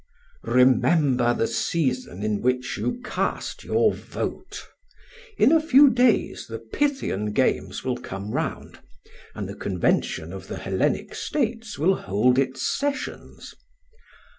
Remember the season in which you cast your vote. In a few days the Pythian Games will come round, and the convention of the Hellenic States will hold its sessions.